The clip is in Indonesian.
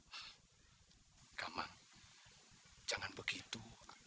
hah kak mang jangan begitu